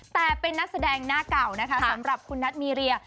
แต่เป็นนักแสดงหน้าเก่านะคะสำหรับคุณนัทมีเรีย